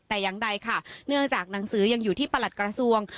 แต่ยังใดค่ะเนื่องจากหนังสือยังอยู่ที่ประหลัดกระทรวง